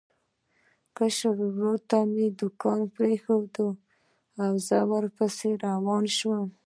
کشر ورور ته دوکان پرېښود او زه ورپسې روان شوم.